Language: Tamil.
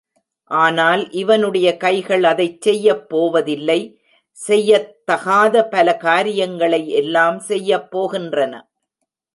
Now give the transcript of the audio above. ஆனால் இவனுடைய கைகள் அதைச் செய்யப் போவதில்லை செய்யத்தகாத பல காரியங்களை எல்லாம் செய்யப் போகின்றன.